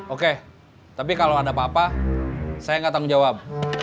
oke tapi kalau ada papa saya gak tanggung jawab